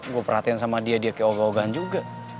gue perhatiin sama dia dia kayak oga ogaan juga